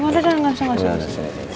oh udah udah gak usah